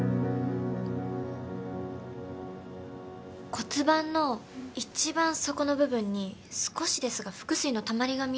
骨盤の一番底の部分に少しですが腹水のたまりが見えるんです。